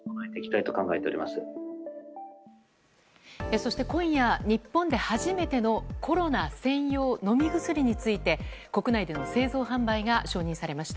そして今夜、日本で初めてのコロナ専用飲み薬について国内での製造・販売が承認されました。